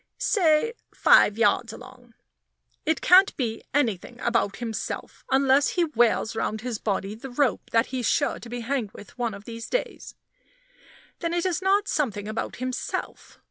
Say "5" (yards) "along" it can't be anything about himself, unless he wears round his body the rope that he's sure to be hanged with one of these days. Then it is not something about himself.